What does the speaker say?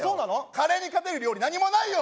カレーに勝てる料理何もないよ！